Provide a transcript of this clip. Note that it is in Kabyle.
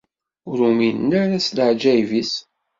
Ur uminen ara s leɛǧayeb-is.